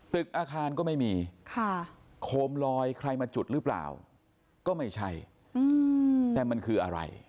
ตึกอาคารก็ไม่มีโคมลอยใครมาจุดหรือเปล่าก็ไม่ใช่แต่มันคืออะไร